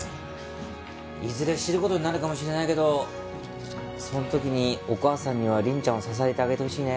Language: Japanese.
いずれ知る事になるかもしれないけどその時にお母さんには凛ちゃんを支えてあげてほしいね。